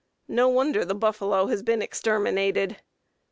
No wonder the buffalo has been exterminated.